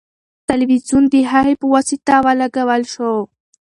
تلویزیون د هغې په واسطه ولګول شو.